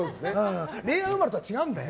令和生まれとは違うんだよ！